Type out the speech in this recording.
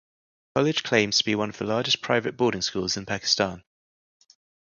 The college claims to be one of the largest private boarding schools in Pakistan.